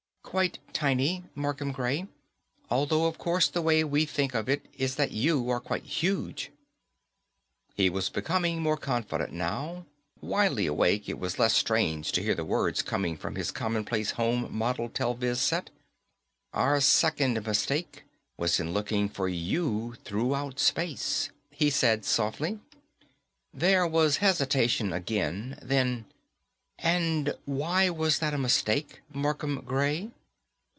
Quite tiny, Markham Gray. Although, of course, the way we think of it is that you are quite huge. He was becoming more confident now; widely awake, it was less strange to hear the words come from his commonplace home model telviz set. "Our second mistake was in looking for you throughout space," he said softly. There was hesitation again, then, _And why was that a mistake, Markham Gray?